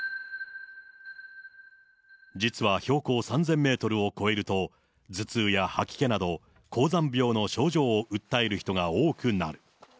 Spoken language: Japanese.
実は標高３０００メートルを超えると、頭痛や吐き気など高山病の症状を訴える人が多くなる。